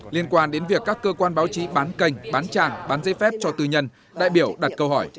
liên quan đến việc các cơ quan báo chí bán kênh bán trang bán giấy phép cho tư nhân đại biểu đặt câu hỏi